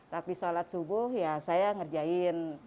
tapi sholat subuh ya saya ngerjain